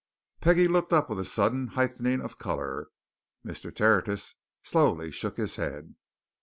Peggie looked up with a sudden heightening of colour. Mr. Tertius slowly shook his head.